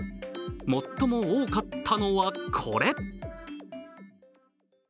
最も多かったのはこれ。